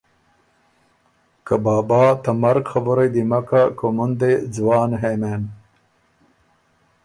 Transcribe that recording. که بابا ته مرګ خبُرئ دی مک کَۀ، کُومُن دی ځوان هې مېن،